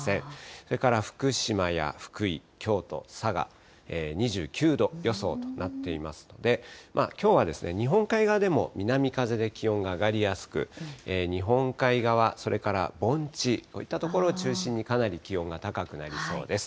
それから福島や福井、京都、佐賀、２９度予想となっていますので、きょうは日本海側でも南風で気温が上がりやすく、日本海側、それから盆地、こういった所を中心にかなり気温が高くなりそうです。